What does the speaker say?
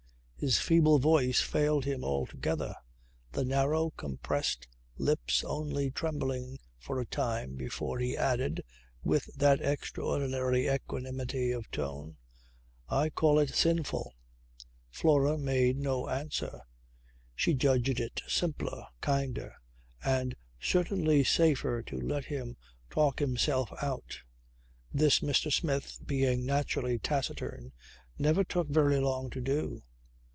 His feeble voice failed him altogether, the narrow compressed lips only trembling for a time before he added with that extraordinary equanimity of tone, "I call it sinful." Flora made no answer. She judged it simpler, kinder and certainly safer to let him talk himself out. This, Mr. Smith, being naturally taciturn, never took very long to do.